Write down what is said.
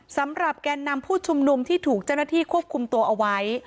แกนนำผู้ชุมนุมที่ถูกเจ้าหน้าที่ควบคุมตัวเอาไว้